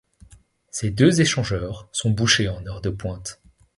Ces deux échangeurs sont bouchés en heures de pointe.